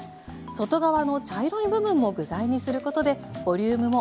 外側の茶色い部分も具材にすることでボリュームもコクもアップします。